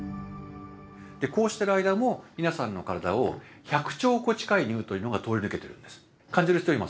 こうしている間も皆さんの体を１００兆個近いニュートリノが通り抜けてるんです。